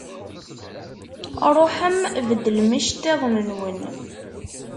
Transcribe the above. Ṛuḥem beddlem iceṭṭiḍen-nwen.